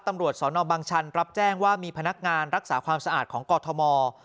ตำรวจสนบังชันรับแจ้งว่ามีพนักงานรักษาความสะอาดของกอทม